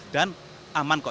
dan aman kok